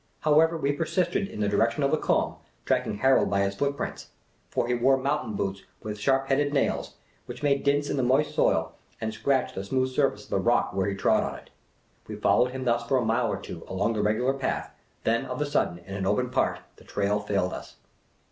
However, we persisted in the direction of the Kulm, tracking Harold by his footprints ; for he wore mountain boots with sharp headed nails, which made dints in the moist soil, and scratched the smooth sur face of the rock where he trod on it. We followed him thus for a mile or two, along the regular path ; then of a sudden, in an open part, the trail failed us.